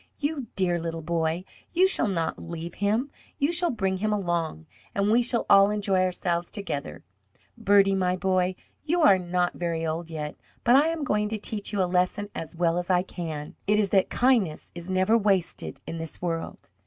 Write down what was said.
"You dear little boy, you shall not leave him. You shall bring him along, and we shall all enjoy ourselves together. Bertie, my boy, you are not very old yet, but I am going to teach you a lesson as well as I can. It is that kindness is never wasted in this world."